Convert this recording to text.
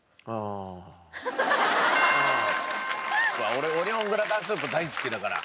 俺オニオングラタンスープ大好きだから。